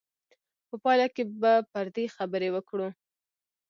په پایله کې به پر دې خبرې وکړو.